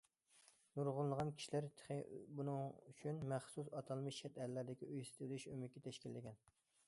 نۇرغۇنلىغان كىشىلەر تېخى بۇنىڭ ئۈچۈن مەخسۇس ئاتالمىش چەت ئەللەردىكى« ئۆي سېتىۋېلىش ئۆمىكى» تەشكىللىگەن.